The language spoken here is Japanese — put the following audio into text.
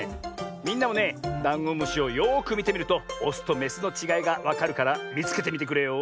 みんなもねダンゴムシをよくみてみるとオスとメスのちがいがわかるからみつけてみてくれよ。